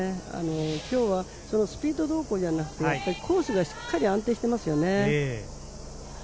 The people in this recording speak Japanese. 今日はスピードどうこうじゃなくてコースがしっかりと安定していますよね。